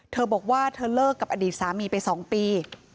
เธอบอกว่าเธอเลิกกับอดีตสามีไป๒ปี